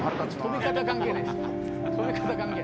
飛び方関係ない。